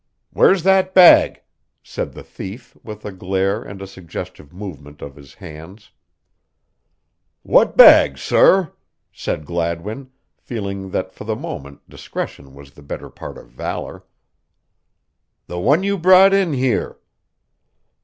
"Where's that bag?" said the thief, with a glare and a suggestive movement with his hands. "What bag, sorr?" said Gladwin, feeling that for the moment discretion was the better part of valor. "The one you brought in here."